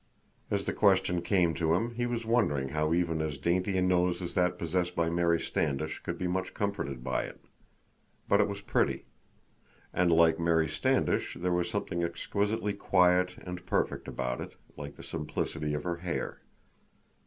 As the question came to him, he was wondering how even as dainty a nose as that possessed by Mary Standish could be much comforted by it. But it was pretty. And, like Mary Standish, there was something exquisitely quiet and perfect about it, like the simplicity of her hair.